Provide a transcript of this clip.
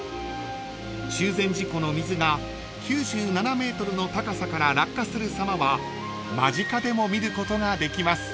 ［中禅寺湖の水が９７ｍの高さから落下するさまは間近でも見ることができます］